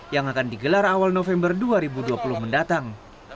yang akan digelar awal november dua ribu dua puluh mendatang